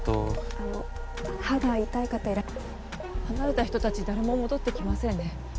あの歯が痛い方離れた人達誰も戻ってきませんね